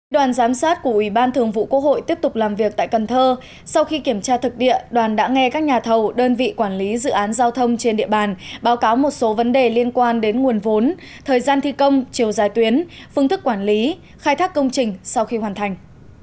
đoàn giám sát của ủy ban thường vụ quốc hội tiếp tục làm việc tại cần thơ sau khi kiểm tra thực địa đoàn đã nghe các nhà thầu đơn vị quản lý dự án giao thông trên địa bàn báo cáo một số vấn đề liên quan đến nguồn vốn thời gian thi công chiều dài tuyến phương thức quản lý khai thác công trình sau khi hoàn thành